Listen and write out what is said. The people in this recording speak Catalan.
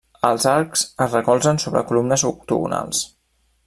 Els arcs es recolzen sobre columnes octogonals.